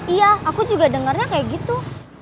iya aku juga dengarnya kayak gitu